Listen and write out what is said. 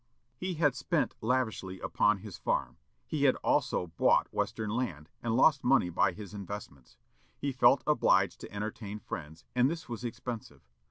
He had spent lavishly upon his farm; he had also bought western land, and lost money by his investments. He felt obliged to entertain friends, and this was expensive.